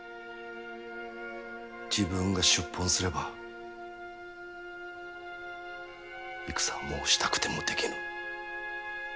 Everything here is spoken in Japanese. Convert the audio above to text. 自分が出奔すれば戦はもうしたくてもできぬ。